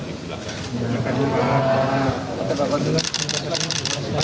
terima kasih pak